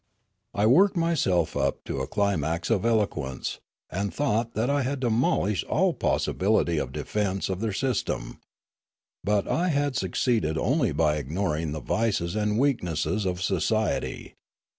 I worked myself up to a climax of eloquence, and thought that I had demolished all possibility of defence of their system. But I had succeeded only by ignoring the vices and weaknesses of society.